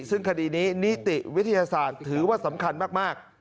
ซึ่งคดีนี้นิติวิทยาศาสตร์ถือว่าสำคัญมาก